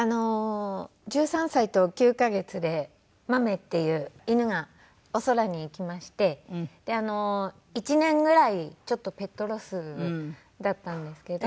１３歳と９カ月で豆っていう犬がお空に逝きまして１年ぐらいちょっとペットロスだったんですけど。